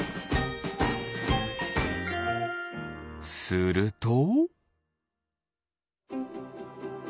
すると。